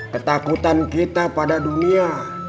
ketakutan kita pada dunia